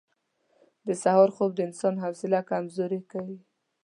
• د سهار خوب د انسان حوصله کمزورې کوي.